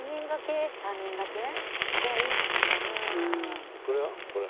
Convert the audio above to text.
３人掛け？がいいかなあ。